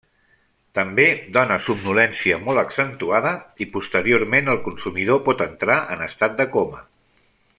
També dóna somnolència molt accentuada i, posteriorment, el consumidor pot entrar en estat de coma.